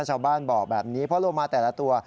ชาวบ้านบอกแบบนี้เพราะโลมาแต่ละตัว